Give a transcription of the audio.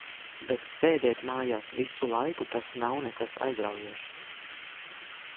Bet sēdēt mājās visu laiku, tas nav nekas aizraujošs.